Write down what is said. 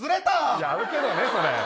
いや、あるけどねそれ。